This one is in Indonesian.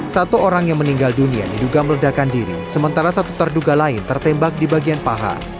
satu orang yang meninggal dunia diduga meledakan diri sementara satu terduga lain tertembak di bagian paha